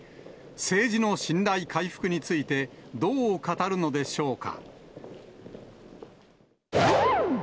政治の信頼回復について、どう語るのでしょうか。